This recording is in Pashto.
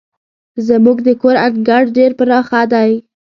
زموږ د کور انګړ ډير پراخه دی.